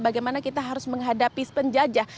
bagaimana kita harus menghadapi penjajah